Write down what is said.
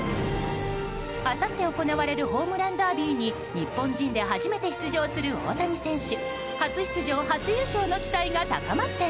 あさって行われるホームランダービーに日本人で初めて出場する大谷選手。